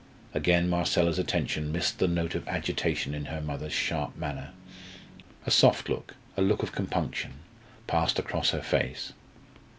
Again Marcella's attention missed the note of agitation in her mother's sharp manner. A soft look a look of compunction passed across her face.